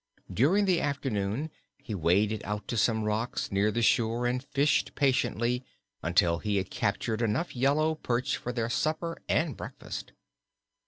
During the afternoon he waded out to some rocks near the shore and fished patiently until he had captured enough yellow perch for their supper and breakfast.